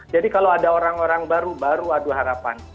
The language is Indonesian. jadi kalau ada orang orang baru baru aduh harapan